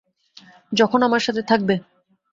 যখন আমার সাথে থাকবে।